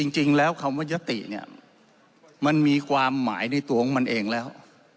จริงแล้วคำว่ายติเนี่ยมันมีความหมายในตัวของมันเองแล้ว